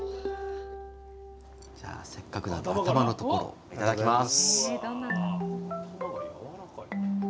じゃあせっかくだから頭のところいただきます！